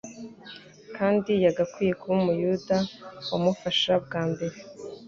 kandi yagakwiye kuba Umuyuda wamufasha bwa mbere